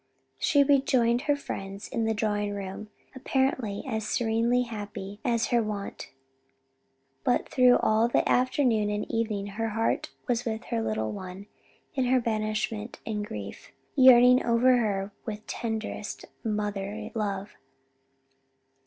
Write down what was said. She rejoined her friends in the drawing room apparently as serenely happy as her wont, but through all the afternoon and evening her heart was with her little one in her banishment and grief, yearning over her with tenderest mother love.